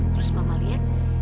terus mama lihat